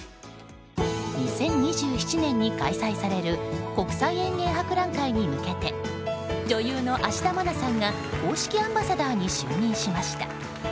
２０２７年に開催される国際園芸博覧会に向けて女優の芦田愛菜さんが公式アンバサダーに就任しました。